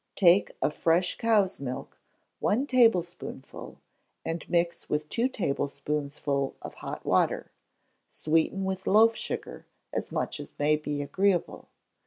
Take of fresh cow's milk, one tablespoonful, and mix with two tablespoonfuls of hot water; sweeten with loaf sugar, as much as may be agreeable.